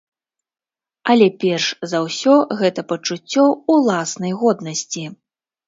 Але перш за ўсё гэта пачуццё ўласнай годнасці.